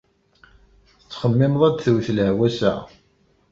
Tettxemmimeḍ ad d-twet lehwa ass-a?